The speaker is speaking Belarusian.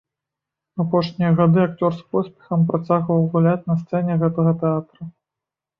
Апошнія гады акцёр з поспехам працягваў гуляць на сцэне гэтага тэатра.